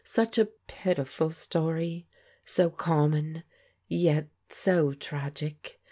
... Such a pitiful story! So common, yet so tragic.